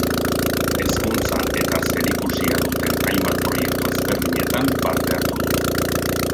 Hezkuntza eta zerikusia duten hainbat proiektu ezberdinetan parte hartu du.